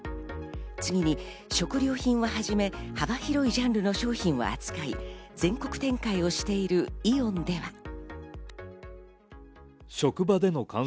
次に食料品をはじめ、幅広いジャンルの商品を扱い、全国展開をしているイオンでは。